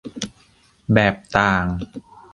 แบบต่าง